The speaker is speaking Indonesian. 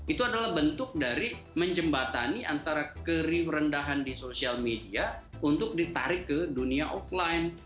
itu adalah bentuk dari menjembatani antara keribu rendahan di social media untuk ditarik ke dunia offline